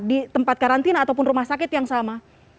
di tempat karantina ataupun rumah sakit yang sama